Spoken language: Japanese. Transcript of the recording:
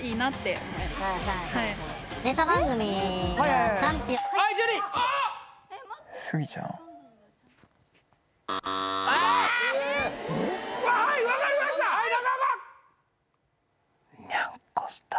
あはい分かりました！